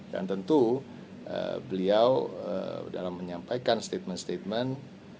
dan tentu beliau dalam menyampaikan statement statement